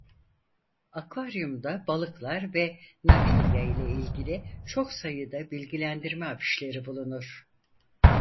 Akvaryumda balıklar ve Namibya ile ilgili çok sayıda bilgilendirme afişleri bulunur.